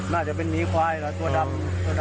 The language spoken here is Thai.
น่าจะเป็นหมีควายเหรอตัวดำ